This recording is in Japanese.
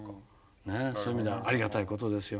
ねえそういう意味ではありがたいことですよ。